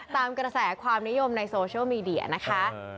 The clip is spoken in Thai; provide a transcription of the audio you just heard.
ตามกระแสความนิยมในโซเชียลมีเดียนะคะ